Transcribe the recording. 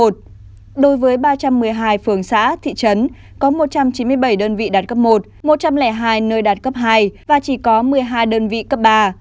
đối với ba trăm một mươi hai phường xã thị trấn có một trăm chín mươi bảy đơn vị đạt cấp một một trăm linh hai nơi đạt cấp hai và chỉ có một mươi hai đơn vị cấp ba